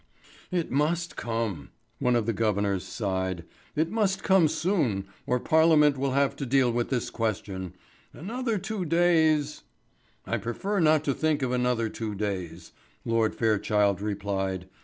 "It must come," one of the governors sighed. "It must come soon, or Parliament will have to deal with this question. Another two days " "I prefer not to think of another two days," Lord Fairchild replied.